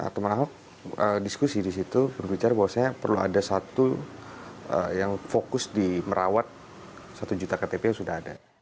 teman ahok diskusi di situ berbicara bahwa saya perlu ada satu yang fokus di merawat satu juta ktp yang sudah ada